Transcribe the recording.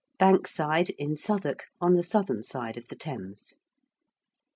~Bankside~, in Southwark, on the southern side of the Thames.